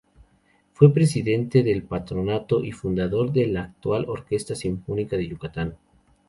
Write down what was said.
Fue presidente del patronato y fundador de la actual Orquesta Sinfónica de Yucatán.